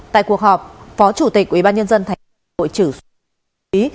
tại cuộc họp phó chủ tịch ubnd thành phố hà nội trử xuất cho quý vị